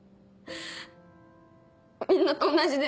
みんなと同じで。